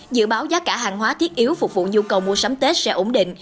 dự báo giá cả hàng hóa thiết yếu phục vụ nhu cầu mua sắm tết sẽ ổn định